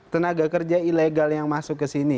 tenaga kerja ilegal yang masuk kesini